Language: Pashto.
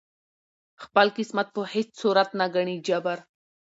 خپل قسمت په هیڅ صورت نه ګڼي جبر